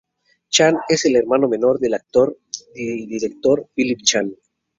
Chan es el hermano menor del actor y director Philip Chan.